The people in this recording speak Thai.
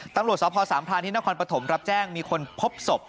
ตำรวจสพสามพรานที่นครปฐมรับแจ้งมีคนพบศพ